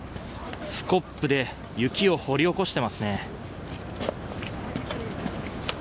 スコップで雪を掘り起こしていますね。